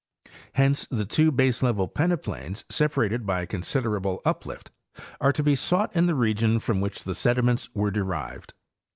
Hence two baselevel peneplains separated by a considera ble uplift are to be sought in the region from which the sedi ments were derived.